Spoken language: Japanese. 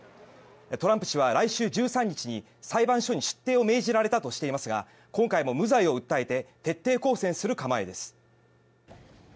トランプ氏は来週１３日に裁判所に出廷を命じられたとしていますが今回も無罪を訴えて徹底抗戦する構えです。